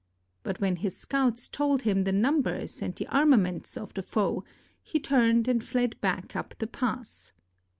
But when his scouts told him the numbers and the arma ment of the foe, he turned and fled back up the pass.